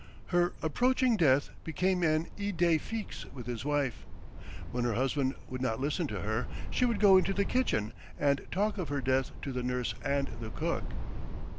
Her approaching death became an idée fixé with his wife. When her husband would not listen to her she would go into the kitchen and talk of her death to the nurse and the cook.